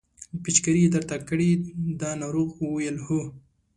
پېچکاري یې درته کړې ده ناروغ وویل هو.